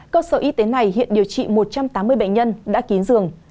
cơ sở y tế này hiện điều trị một trăm tám mươi bệnh nhân đã kín dường